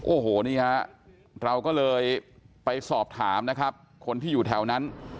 โอ้โหนี่ฮะเราก็เลยไปสอบถามนะครับคนที่อยู่แถวนั้น